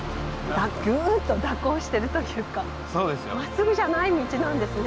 ぐっと蛇行してるというかまっすぐじゃない道なんですね。